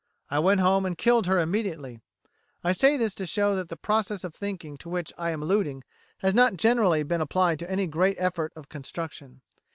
I went home and killed her immediately. I say this to show that the process of thinking to which I am alluding has not generally been applied to any great effort of construction.